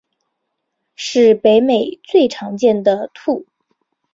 是北美洲最常见的兔。